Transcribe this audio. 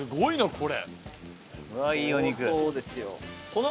これ。